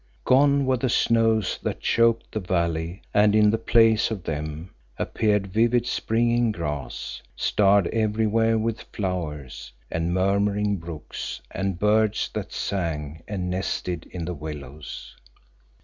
Gone were the snows that choked the valley and in the place of them appeared vivid springing grass, starred everywhere with flowers, and murmuring brooks and birds that sang and nested in the willows.